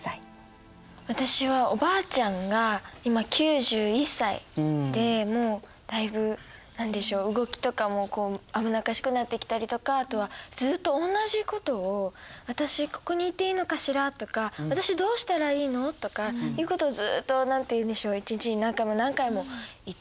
私はおばあちゃんが今９１歳でもうだいぶ何でしょう動きとかも危なっかしくなってきたりとかあとはずっと同じことを「私ここにいていいのかしら？」とか「私どうしたらいいの？」とかっていうことをずっと何て言うんでしょう一日に何回も何回も言っていますね。